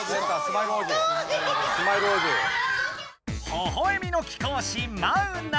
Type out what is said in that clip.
ほほえみの貴公子マウナ。